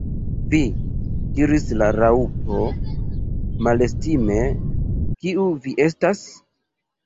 "Vi!" diris la Raŭpo malestime, "kiu vi estas?"